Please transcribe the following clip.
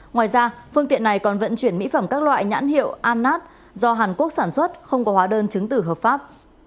ngoài ra phương tiện này còn vận chuyển mỹ phẩm các loại nhãn hiệu anat do hàn quốc sản xuất không có hóa đơn chứng tử hợp pháp